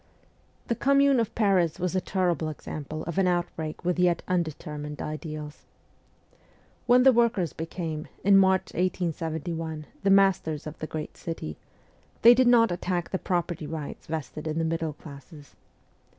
The Commune of Paris was a terrible example of an outbreak with yet undetermined ideals. When the workers became, in March 1871, the masters of the great city, they did not attack the property rights vested in the middle classes.